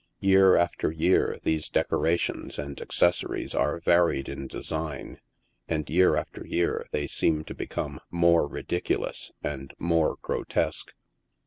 Year after year these deco rations and accessories are varied in design, and year after year they seem to become more ridiculous and more grotesque.